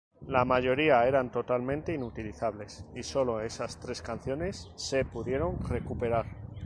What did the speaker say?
La mayoría eran totalmente inutilizables y solo esas tres canciones se pudieron recuperar.